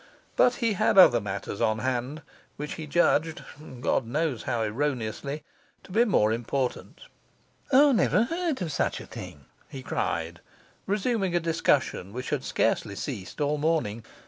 But he had other matters on hand, which he judged (God knows how erroneously) to be more important. 'I never heard of such a thing,' he cried, resuming a discussion which had scarcely ceased all morning.